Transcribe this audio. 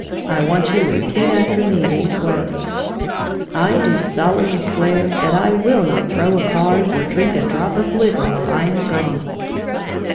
I want you to repeat after me these words 'I do solemnly swear that I will not throw a card or drink a drop of liquor while I am gone!'"